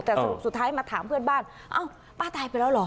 แต่สรุปสุดท้ายมาถามเพื่อนบ้านเอ้าป้าตายไปแล้วเหรอ